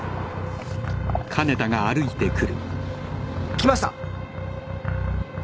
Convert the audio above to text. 来ました。